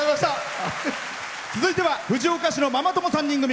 続いては藤岡市のママ友３人組。